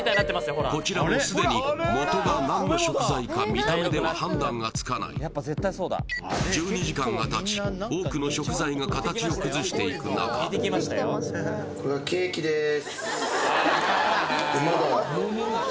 こちらもすでにもとが何の食材か見た目では判断がつかない１２時間がたち多くの食材が形を崩していく中これはケーキです